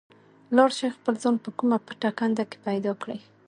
لاړ شئ خپل ځان په کومه پټه کنده کې پیدا کړئ.